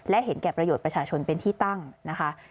และเห็นแก่ประโยชน์ประชาชนเป็นที่ตั้งนะคะ